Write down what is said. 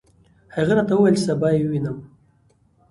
هغه راته وویل چې سبا یې ووینم.